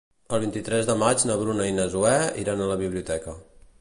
El vint-i-tres de maig na Bruna i na Zoè iran a la biblioteca.